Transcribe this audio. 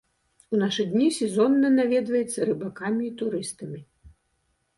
У нашы дні сезонна наведваецца рыбакамі і турыстамі.